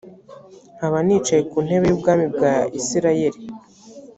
nkaba nicaye ku ntebe y ubwami bwa isirayeli